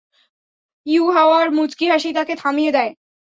ইউহাওয়ার মুচকি হাসি তাকে থামিয়ে দেয়।